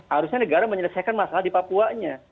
harusnya negara menyelesaikan masalah di papuanya